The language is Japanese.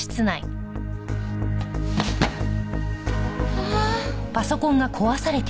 ああ。